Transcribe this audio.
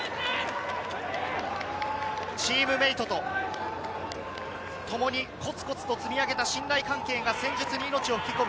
チームメイトとともにコツコツと積み上げた信頼関係が戦術に命を吹き込む。